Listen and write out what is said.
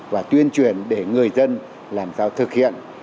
và tuyên truyền để người dân làm sao thực hiện